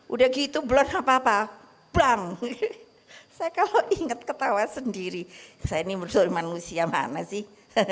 udah gitu belum apa apa bang saya kalau inget ketawa sendiri saya ini menurut saya manusia mana sih